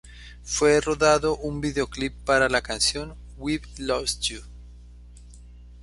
Fue rodado un videoclip para la canción "We've Lost You".